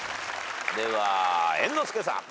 では猿之助さん。